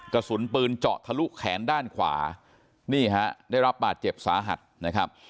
กระสุนปืนเจาะทะลุแขนด้านขวานี่ฮะได้รับบาดเจ็บสาหัสนะครับ